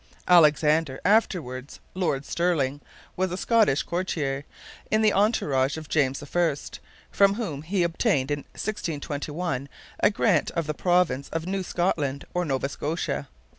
Alexander, afterwards Lord Stirling, was a Scottish courtier in the entourage of James I, from whom he obtained in 1621 a grant of the province of New Scotland or Nova Scotia.